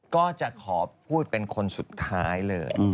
ก็จะขอพูดเป็นคนสุดท้ายเลย